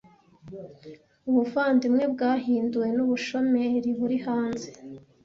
ubuvandimwe bwahinduwe n'ubushomeri buri hanze